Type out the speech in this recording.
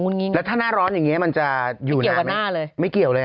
แล้วถ้าหน้าร้อนอย่างนี้มันจะอยู่หนาไหม